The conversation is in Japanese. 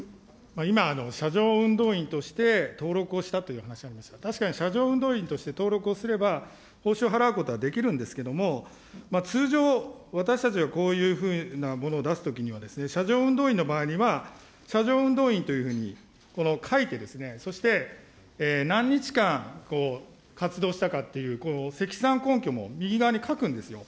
今、車上運動員として登録をしたという話ありましたが、確かに車上運動員として登録をすれば、報酬を払うことはできるんですけども、通常、私たちがこういうふうなものを出すときには、車上運動員の場合には、車上運動員というふうに書いて、そして、何日間活動したかっていう、積算根拠も右側に書くんですよ。